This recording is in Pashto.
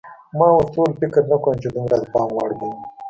ما ورته وویل: فکر نه کوم چې دومره د پام وړ به وي.